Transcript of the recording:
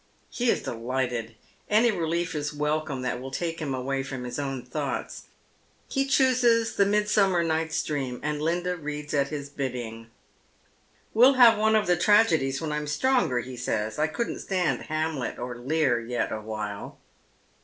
He is delighted. Any relief is welcome that will take him away from his own thoughts. He chooses the " Midsummer Night's Dream," and Linda reads at his bidding. " We'll have one of the tragedies when I'm stronger," he says. " I couldn't stand ' Hamlet ' or ' Lear ' yet awhile."